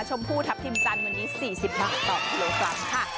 ชมพูทัพทิมจันทร์วันนี้๔๐บาทต่อกิโลกรัมค่ะ